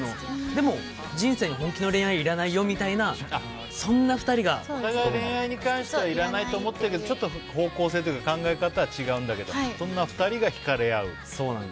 でも、人生に本気な恋愛はいらないよみたいなお互い恋愛に関してはいらないと思ってるけどちょっと方向性というか考え方は違うんだけどそうなんです。